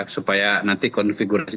supaya nanti konfigurasi